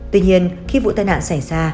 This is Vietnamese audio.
tuy nhiên khi vụ tai nạn xảy ra